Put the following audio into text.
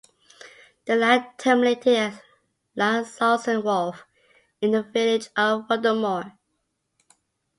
The line terminated at Lansalson wharf in the village of Ruddlemoor.